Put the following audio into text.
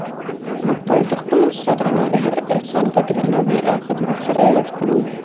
موږ باید د خپلو استادانو هر احسان په درناوي او خدمت سره یاد کړو.